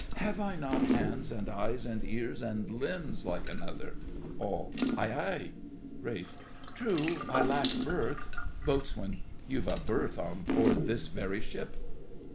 Have I not hands and eyes and ears and limbs like another? ALL. Aye, Aye! RALPH. True, I lack birth— BOAT. You've a berth on board this very ship.